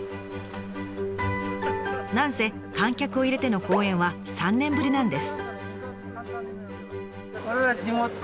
何せ観客を入れての公演は３年ぶりなんです。